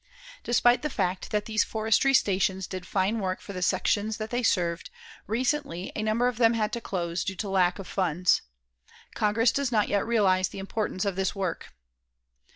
Despite the fact that these forestry stations did fine work for the sections that they served, recently a number of them had to close, due to lack of funds. Congress does not yet realize the importance of this work.